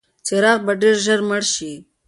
څراغ به ډېر ژر مړ شي.